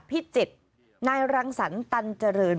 พิจิตรนายรังสรรตันเจริญ